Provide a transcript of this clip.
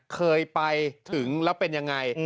เคยไปถึงแล้วเป็นยังไง